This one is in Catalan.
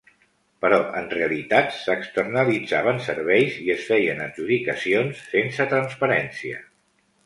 Però, en realitat, s’externalitzaven serveis i es feien adjudicacions sense transparència.